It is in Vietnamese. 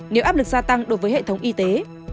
nếu áp lực gia tăng đối với hệ thống y tế